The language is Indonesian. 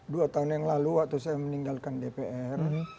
dua tahun yang lalu waktu saya meninggalkan dpr